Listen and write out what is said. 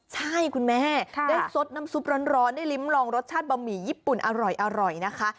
ใช่คุณแม่ได้สดน้ำซุปร้อนได้ลิ้มลองรสชาติบะหมี่ญี่ปุ่นอร่อยนะคะ